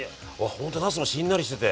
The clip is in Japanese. ほんとなすもしんなりしてて。